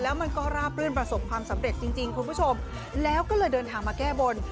แล้วมันก็ราบรื่นประสบความสำเร็จจริงจริงคุณผู้ชมแล้วก็เลยเดินทางมาแก้บน